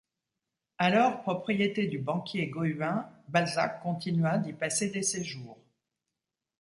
Alors propriété du banquier Goüin, Balzac continua d'y passer des séjours.